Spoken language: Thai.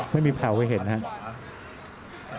ไม่มีพราวค์ให้เห็นนะครับ